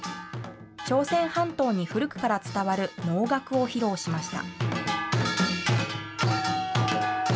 朝鮮半島に古くから伝わる農楽を披露しました。